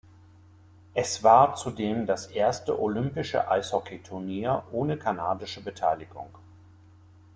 Es war zudem das erste olympische Eishockeyturnier ohne kanadische Beteiligung.